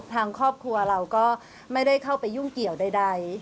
ทางครอบครัวเราก็ไม่ได้เข้าไปยุ่งเกี่ยวใด